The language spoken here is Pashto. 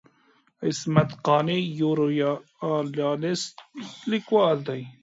عصمت قانع یو ریالیست لیکوال دی.